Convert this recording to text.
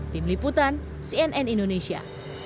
tim liputan cnn indonesia